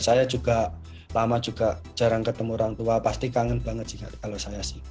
saya juga lama juga jarang ketemu orang tua pasti kangen banget sih kalau saya sih